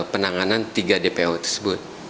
penanganan tiga dpo tersebut